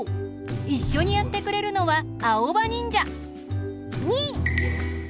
いっしょにやってくれるのはあおばにんじゃ！にん！